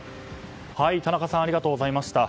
田中さんありがとうございました。